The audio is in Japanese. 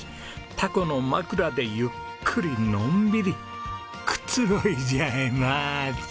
タコのまくらでゆっくりのんびりくつろいじゃいます。